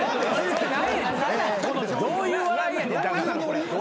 どういう笑いやねん。